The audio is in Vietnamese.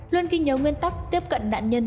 luân kinh nhấu nguyên tóc tiếp cận nạn nhân